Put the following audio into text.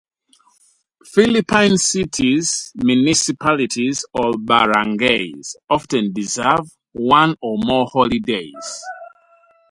Philippine cities, municipalities, or barangays, often observe one or more holidays.